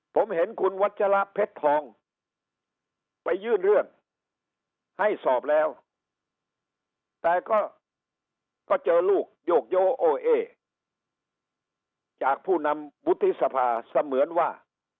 ผมเห็นคุณวัชละเพชรทองไปยื่นเรื่องให้สอบแล้วแต่ก็เจอลูกโยกโยโอเอจากผู้นำวุฒิสภาเสมือนว่า